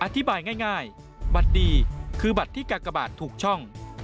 อธิบายง่ายบัตรดีคือบัตรที่กากบาทถูกช่อง